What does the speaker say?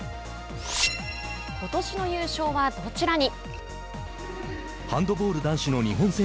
ことしの優勝はどちらに？